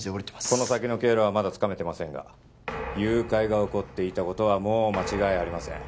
この先の経路はまだつかめてませんが誘拐が起こっていたことはもう間違いありません